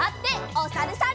おさるさん。